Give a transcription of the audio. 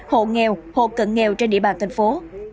hộ nghèo hộ cận nghèo trên địa bàn thành phố